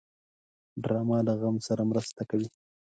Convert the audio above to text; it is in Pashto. ډرامه له غم سره مرسته کوي